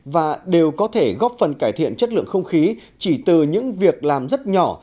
và đều có thể góp phần cải thiện chất lượng không khí chỉ từ những việc làm rất nhỏ